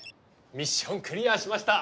ミッションクリアしました。